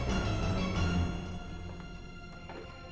pergi ke sana